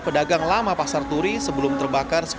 pedagang lama pasar turi sebelum terbakar